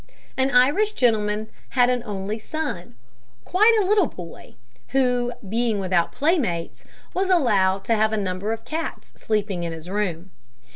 An Irish gentleman had an only son, quite a little boy, who, being without playmates, was allowed to have a number of cats sleeping in his room.